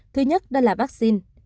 thứ nhất đó là vaccine